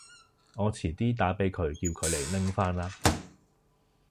我遲啲打畀佢叫佢嚟拎返啦